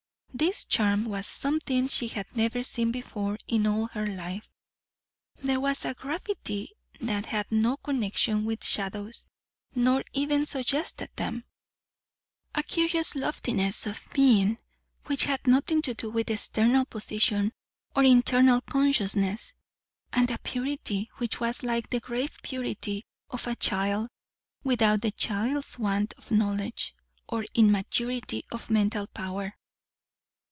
This charm was something she had never seen before in all her life. There was a gravity that had no connection with shadows, nor even suggested them; a curious loftiness of mien, which had nothing to do with external position or internal consciousness; and a purity, which was like the grave purity of a child, without the child's want of knowledge or immaturity of mental power.